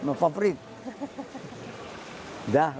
membuat alih pintar